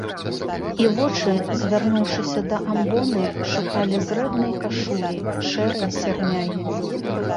І вочы, звярнуўшыся да амбоны, шукалі зрэбнай кашулі, шэрай сярмягі.